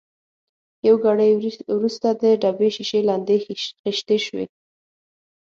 یو ګړی وروسته د ډبې شېشې لندې خېشتې شوې.